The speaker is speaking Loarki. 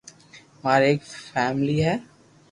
ماري ايڪ فآملي ھي